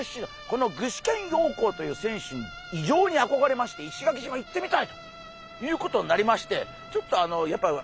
この具志堅用高という選手に異常にあこがれまして石垣島行ってみたいということになりましてちょっとやっぱり持ってきてもらおうかな。